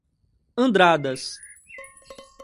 Andradas